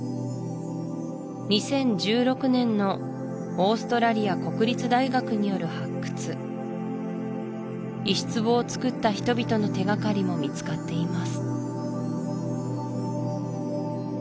２０１６年のオーストラリア国立大学による発掘石壺をつくった人々の手がかりも見つかっています